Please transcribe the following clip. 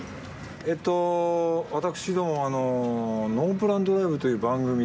えっと私ども『ノープラン×ドライブ』という番組で。